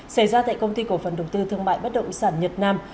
xảy ra tại công ty cổ phần đầu tư thương mại bất động sản nhật nam